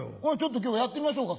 今日やってみましょうか？